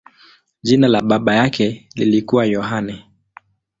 Jina la baba yake lilikuwa Yohane.